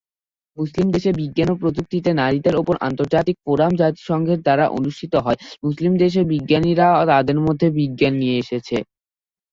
মুসলিম দেশে বিজ্ঞান ও প্রযুক্তিতে নারীদের উপর আন্তর্জাতিক ফোরাম জাতিসংঘের দ্বারা অনুষ্ঠিত হয়, মুসলিম দেশে বিজ্ঞানীরা তাদের মধ্যে বিজ্ঞান নিয়ে এসেছে।